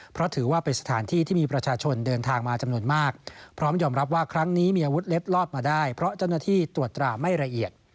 เพราะถือว่าเป็นสถานที่ที่มีประชาชนเดินทางมาจำนวนมากพร้อมยอมรับว่าครั้งนี้มีอาวุธเล็บลอดมาได้เพราะเจ้าหน้าที่ตรวจตราไม่ละเอียด